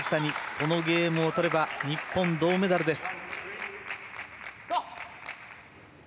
このゲームをとれば日本、銅メダルです。